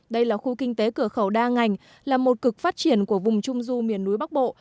đây là khu kinh tế cửa khẩu đa ngành là một cực phát triển của vùng trung du miền núi bắc bộ